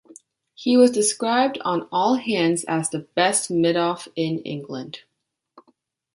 He was described on all hands as the best mid-off in England.